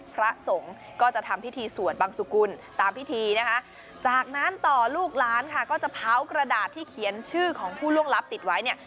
พระสงฆ์ก็จะทำพิธีสวดบังสุกุลตามพิธีนะคะจากนั้นต่อลูกล้านค่ะก็จะเผากระดาษที่เขียนชื่อของผู้ล่วงลับติดไว้เนี่ย